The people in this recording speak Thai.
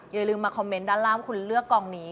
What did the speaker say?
อย่าลืมมาคอมเมนต์ด้านล่างคุณเลือกกองนี้